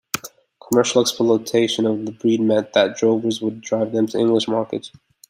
Commercial exploitation of the breed meant that drovers would drive them to English markets.